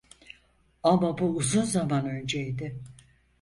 Ama bu uzun zaman önceydi.